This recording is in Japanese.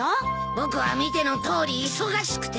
僕は見てのとおり忙しくてね。